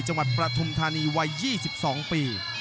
จังหวัดประถุมธานีวัย๒๒ปี